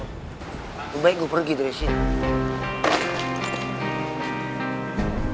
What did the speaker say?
lebih baik gue pergi dari sini